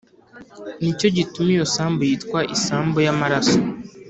Ni cyo gituma iyo sambu yitwa Isambu y amaraso